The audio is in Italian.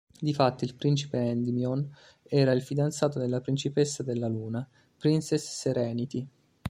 Difatti, il Principe Endymion era il fidanzato della Principessa della Luna, Princess Serenity.